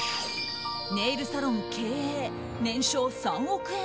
ネイルサロン経営、年商３億円